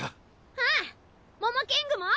うんモモキングも？